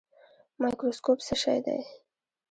مایکروسکوپ څه شی دی؟